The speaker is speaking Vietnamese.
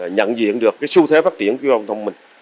nhận diện được cái xu thế phát triển của giao thông thông minh